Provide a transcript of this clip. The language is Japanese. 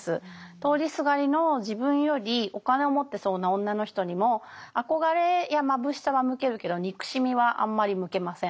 通りすがりの自分よりお金を持ってそうな女の人にも憧れやまぶしさは向けるけど憎しみはあんまり向けません。